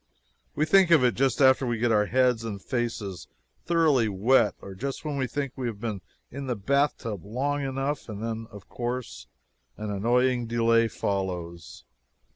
We think of it just after we get our heads and faces thoroughly wet or just when we think we have been in the bathtub long enough, and then, of course, an annoying delay follows.